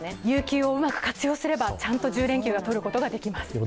有給をうまく活用すればちゃんと１０連休を取ることができます。